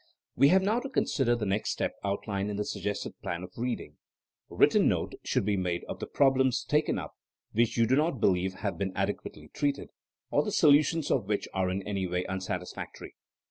We have now to consider the next step out lined in the suggested plan of reading —writ ten note should be made of the problems taken up which you do not believe have been ade quately treated, or the solutions of which are in any way unsatisfactory.